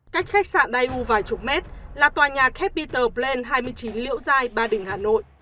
cách khách sạn đài u vài chục mét là tòa nhà capitol plain hai mươi chín liễu giai ba đình hà nội